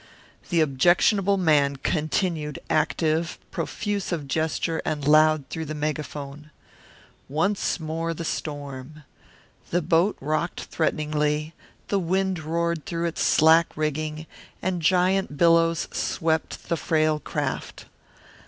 The objectionable man continued active, profuse of gesture and loud through the megaphone. Once more the storm. The boat rocked threateningly, the wind roared through its slack rigging, and giant billows swept the frail craft.